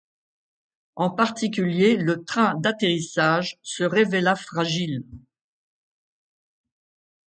En particulier le train d’atterrissage se révéla fragile.